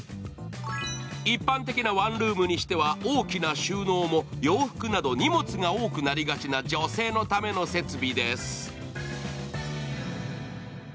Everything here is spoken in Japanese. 一般的なワンルームにしては大きな収納も洋服など荷物が多くなりがちな女性のための設備です。